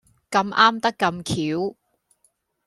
咁啱得咁橋